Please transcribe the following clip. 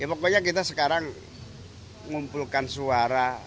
ya pokoknya kita sekarang ngumpulkan suara